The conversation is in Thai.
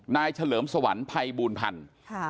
นายเฉลิมสวรรค์ไพบูลพันธุ์